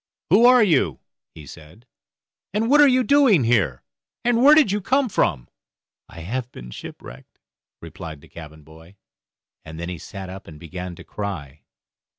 "Who are you?" he said, "and what are you doing here, and where did you come from?" "I have been shipwrecked," replied the cabin boy; and then he sat up and began to cry.